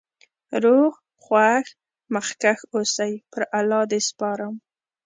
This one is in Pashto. روغ خوښ مخکښ اوسی.پر الله د سپارم